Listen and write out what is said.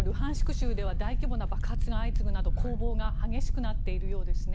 州では大規模な爆発が相次ぐなど攻防が激しくなっているようですよね。